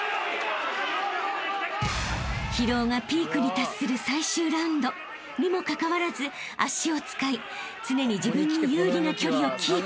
［疲労がピークに達する最終ラウンドにもかかわらず足を使い常に自分に有利な距離をキープ］